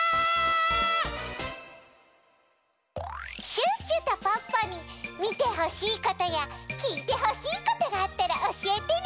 シュッシュとポッポにみてほしいことやきいてほしいことがあったらおしえてね！